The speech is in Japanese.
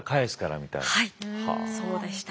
はいそうでした。